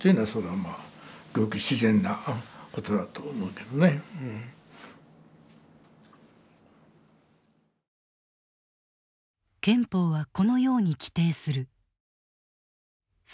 だからまあ憲法はこのように規定する。